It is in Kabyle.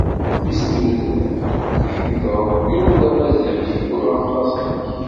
Mmi-s n udrar ḥmed Ṛebbi d Amaziɣ cfu ɣef laṣel-ik.